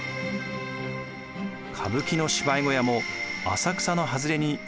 歌舞伎の芝居小屋も浅草の外れに移転させられました。